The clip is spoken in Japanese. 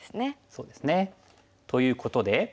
そうですね。ということで。